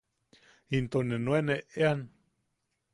Into ne nuen eʼean.